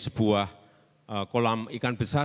sebuah kolam ikan besar